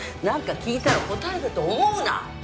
なんか聞いたら答えると思うな！